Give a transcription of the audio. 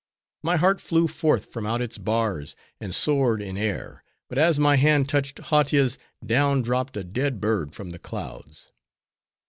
My heart flew forth from out its bars, and soared in air; but as my hand touched Hautia's, down dropped a dead bird from the clouds.